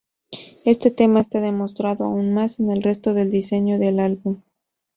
Este tema está demostrado aún más en el resto del diseño del álbum.